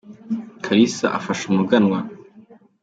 karisa afasha umuganwa.